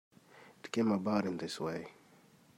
It came about in this way.